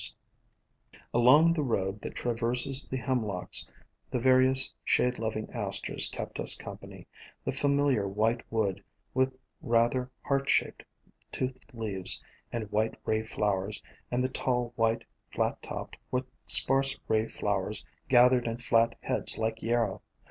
A COMPOSITE FAMILY 269 Along the road that traverses the Hemlocks the various shade loving Asters kept us company, — the familiar White Wood with rather heart shaped, toothed leaves and white ray flowers, and the tall, white, Flat Topped, with sparse ray flowers gathered in flat heads like Yarrow.